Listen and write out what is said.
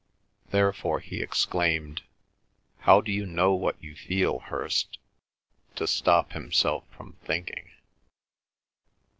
Therefore he exclaimed, "How d'you know what you feel, Hirst?" to stop himself from thinking.